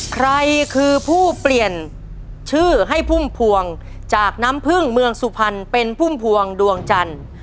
ใครคือผู้เปลี่ยนชื่อให้พุ่มพวงจากน้ำพึ่งเมืองสุพรรณเป็นพุ่มพวงดวงจันทร์